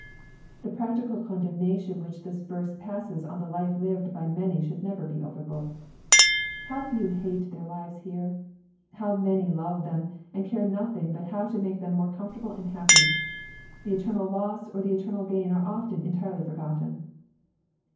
The practical condemnation which this verse passes on the life lived by many should never be overlooked. How few hate their lives here ! How many love them, and care for nothing but how to make them comfortable and ^appy I The eternal loss or the eternal gain are often entirely forgotten.